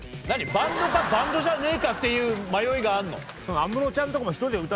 バンドかバンドじゃねえかっていう迷いがあるの？